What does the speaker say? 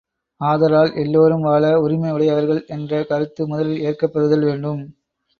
ஆதலால், எல்லாரும் வாழ உரிமை உடையவர்கள் என்ற கருத்து முதலில் ஏற்கப் பெறுதல் வேண்டும்.